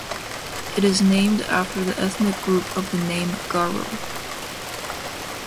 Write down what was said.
It is named after the ethnic group of the name Garo.